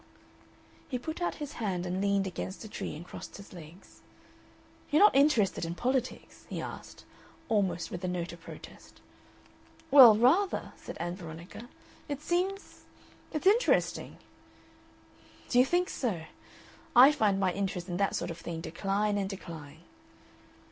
He put out his hand and leaned against a tree and crossed his legs. "You're not interested in politics?" he asked, almost with a note of protest. "Well, rather," said Ann Veronica. "It seems It's interesting." "Do you think so? I find my interest in that sort of thing decline and decline."